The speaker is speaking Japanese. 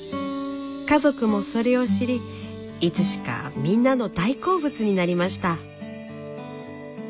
家族もそれを知りいつしかみんなの大好物になりました。